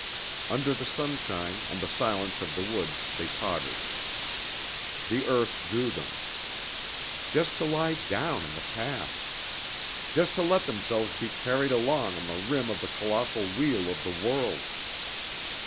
Under the sunshine and the silence of the woods they tottered. The earth drew them. Just to lie down in the path! Just to let themselves be carried along on the rim of the colossal wheel of the worlds....